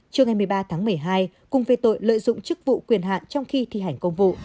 trước ngày một mươi ba tháng một mươi hai cùng về tội lợi dụng chức vụ quyền hạn trong khi thi hành công vụ